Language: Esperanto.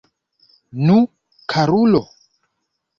Nu, karulo?